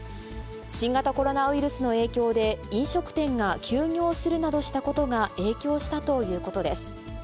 新型コロナウイルスの影響で飲食店が休業するなどしたことが影響したということです。